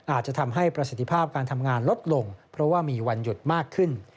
อาจจะทำให้ประสิทธิภาพการทำงานลดลงเพราะว่ามีวันหยุดมากขึ้น